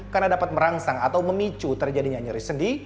karena dapat merangsang atau memicu terjadinya nyeri sendi